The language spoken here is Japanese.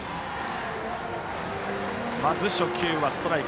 初球はストライク。